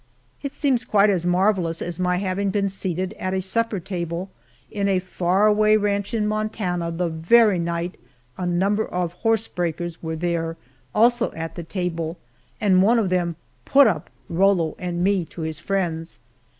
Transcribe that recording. It seems quite as marvelous as my having been seated at a supper table in a far away ranch in Montana, the very night a number of horse breakers were there, also at the table, and one of them "put up" Rollo and me to his friends.